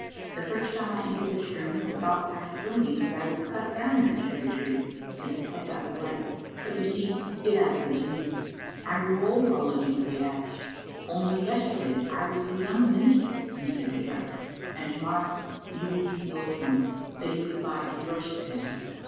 " The first time I en tered this room the thought passed through me that I would cut down that cherry tree, because it kept out the light, but, you see, it outlives me. I grew old while looking for the axe. Only yesterday I was the young Digitized by VjOOQ IC 20 ttbe Kittle Afni0tet* minister, Mr. Dishart, and to morrow you will be the old one, bidding good bye to your successor."